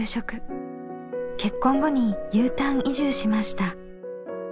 結婚後にＵターン移住しました。